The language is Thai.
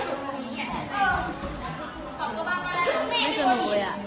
ถ้าพี่มีเหลือเท่าไหร่